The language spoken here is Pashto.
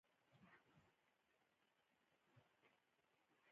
باز خپل ښکار په خوله نه راوړي